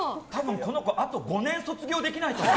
この子あと５年卒業できないと思う。